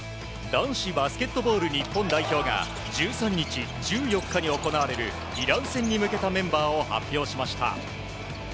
男子バスケットボール日本代表が１３日、１４日に行われるイラン戦に向けたメンバーが発表されました。